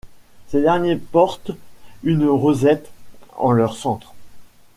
Ces derniers portent une rosette en leur centre.